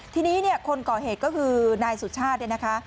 ทีนี้เนี่ยคนก่อเหตุก็คือนายสุชาติเนี่ยนะคะ